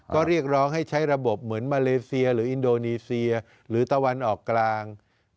ก็เรียกร้องให้ใช้ระบบเหมือนมาเลเซียหรืออินโดนีเซียหรือตะวันออกกลาง